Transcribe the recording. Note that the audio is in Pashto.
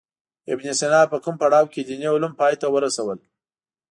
ابن سینا په کوم پړاو کې دیني علوم پای ته ورسول.